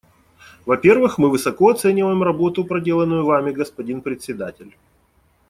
Во-первых, мы высоко оцениваем работу, проделанную Вами, господин Председатель.